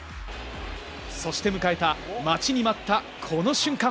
そして迎えた、待ちに待ったこの瞬間。